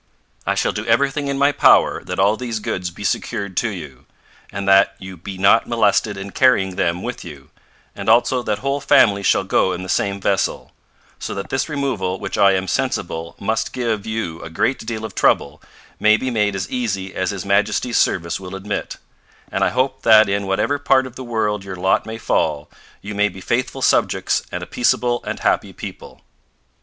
I shall do everything in my power that all these goods be secured to you, and that you be not molested in carrying them with you, and also that whole families shall go in the same vessel; so that this removal which I am sensible must give you a great deal of trouble may be made as easy as His Majesty's service will admit; and I hope that in whatever part of the world your lot may fall, you may be faithful subjects, and a peaceable and happy people.